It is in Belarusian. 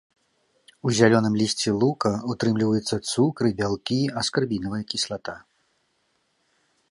У зялёным лісці лука ўтрымліваюцца цукры, бялкі, аскарбінавая кіслата.